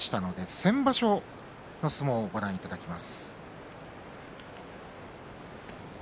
先場所の相撲をご覧いただきます。